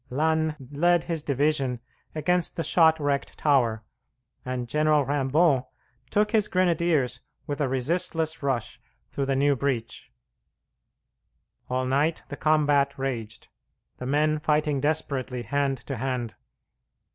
Lannes led his division against the shot wrecked tower, and General Rimbaud took his grenadiers with a resistless rush through the new breach. All night the combat raged, the men fighting desperately hand to hand.